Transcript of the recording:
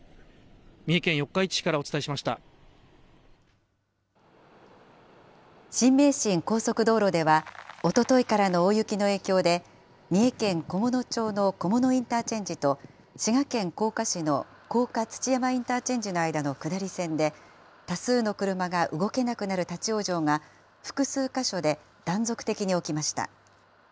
三重県四日市市からお伝えしまし新名神高速道路ではおとといからの大雪の影響で、三重県菰野町の菰野インターチェンジと、滋賀県甲賀市の甲賀土山インターチェンジの間の下り線で、多数の車が動けなくなる立往生が、複数か所で断続的に起きました。